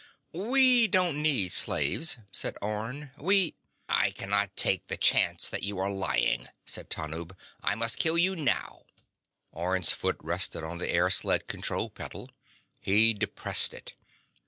"We don't need slaves," said Orne. "We—" "I cannot take the chance that you are lying," said Tanub. "I must kill you now." Orne's foot rested on the air sled control pedal. He depressed it.